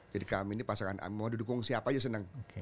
jadi kami ini pasangan mau didukung siapa aja seneng